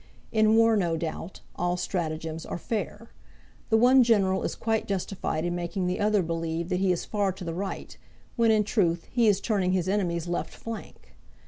In war, no doubt, all stratagems are fair. The one general is quite justified in making the other believe that he is far to the right, when in truth he is turning his enemy's left flank.